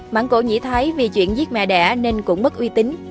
mãng cổ nhị thái vì chuyện giết mẹ đẻ nên cũng mất uy tín